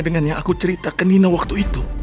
dengan yang aku cerita ke nino waktu itu